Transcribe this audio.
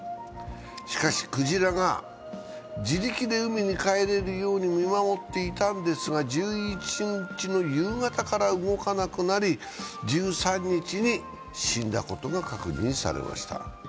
しかしクジラが自力で海に帰れるように見守っていたんですが１１日の夕方から動かなくなり１３日に死んだことが確認されました。